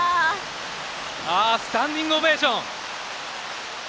ああスタンディングオベーション！